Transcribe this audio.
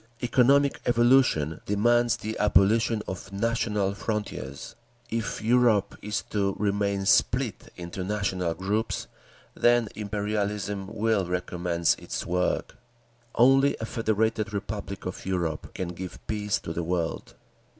Economic evolution demands the abolition of national frontiers. If Europe is to remain split into national groups, then Imperialism will recommence its work. Only a Federated Republic of Europe can give peace to the world."